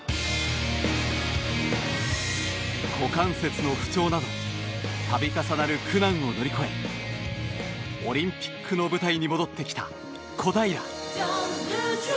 股関節の不調など度重なる苦難を乗り越えオリンピックの舞台に戻ってきた小平。